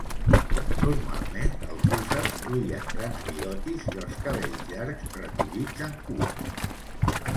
Normalment els hússars duien grans bigotis i els cabells llargs recollits en cua.